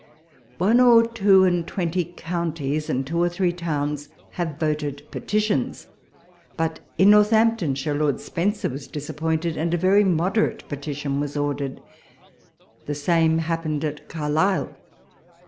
One or two and twenty counties, and two or three towns, have voted petitions. But in Northamptonshire Lord Spencer was disappointed, and a very moderate petition was ordered. The same happened at Carlisle.